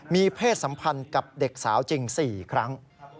มีเพศสัมพันธ์กับเด็กสาวจริง๔ครั้ง